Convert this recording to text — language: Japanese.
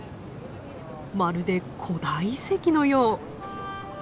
まるで古代遺跡のよう。